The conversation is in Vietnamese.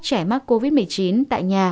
trẻ mắc covid một mươi chín tại nhà